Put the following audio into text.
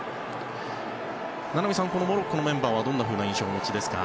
名波さん、モロッコのメンバーはどんな印象をお持ちですか？